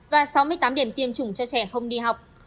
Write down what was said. và sáu mươi tám điểm tiêm cho trẻ đi học